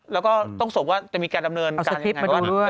แล้วก็ต้องส่งว่าจะมีการดำเนินการยังไงเอาสคริปท์มาดูด้วย